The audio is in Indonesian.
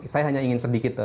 saya hanya ingin sedikit